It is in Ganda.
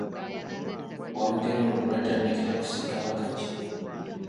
Olugero olwo lwatandikira ku Ssekabaka ki?